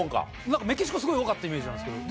なんかメキシコすごい多かったイメージなんですけど。